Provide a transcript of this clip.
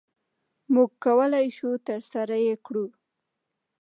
مونږ کولی شو ترسره يي کړو د